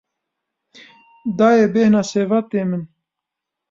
Dayê bêhna sêvan tê min.